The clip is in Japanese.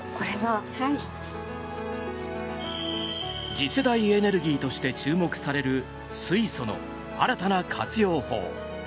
次世代エネルギーとして注目される水素の新たな活用法。